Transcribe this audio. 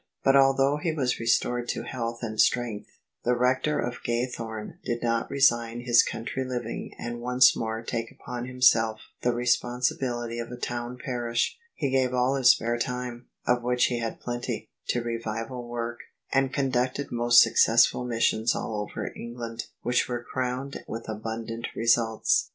But although he was restored to health and strength, the Rector of Gaythorne did not resign his country living and once more take upon himself the responsibility of a town parish : he gave all his spare time, of which he had plenty, to revival work; and conducted most successful missions all over England, which were crowned with abundant results.